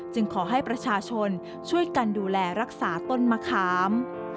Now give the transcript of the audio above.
ขอให้ประชาชนช่วยกันดูแลรักษาต้นมะขาม